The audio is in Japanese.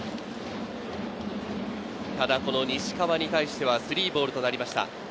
ただ西川に対しては３ボールとなりました。